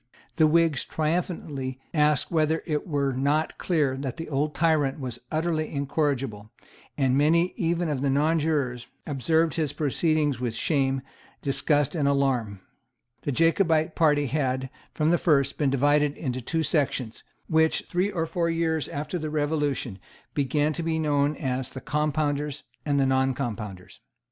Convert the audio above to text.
The Whigs triumphantly asked whether it were not clear that the old tyrant was utterly incorrigible; and many even of the nonjurors observed his proceedings with shame, disgust and alarm. The Jacobite party had, from the first, been divided into two sections, which, three or four years after the Revolution, began to be known as the Compounders and the Noncompounders.